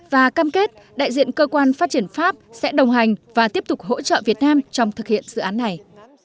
và cam kết đại diện cơ quan phát triển pháp sẽ đồng hành và tiếp tục hỗ trợ việt nam trong thực hiện dự án này